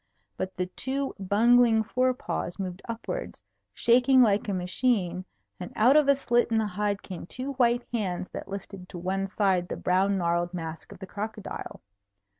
But the two bungling fore paws moved upwards, shaking like a machine, and out of a slit in the hide came two white hands that lifted to one side the brown knarled mask of the crocodile.